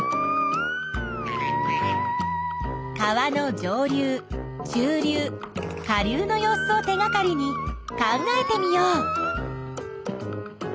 川の上流中流下流の様子を手がかりに考えてみよう。